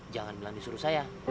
jangan melandi suruh saya